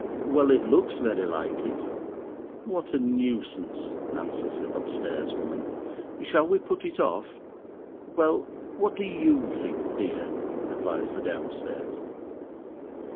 "Well, it looks very like it." "What a nuisance," answers the up stairs woman; "shall we put it off?" "Well, what do you think, dear?" replies the down stairs.